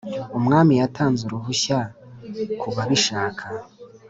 Umwami yatanze uruhushya kubabishaka.